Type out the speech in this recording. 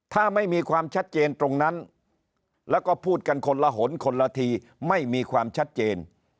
ถ้าไม่มีความชัดเจนตรงนั้นแล้วก็พูดกันคนละหนคนละทีไม่มีความชัดเจน